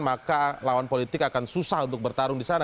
maka lawan politik akan susah untuk bertarung di sana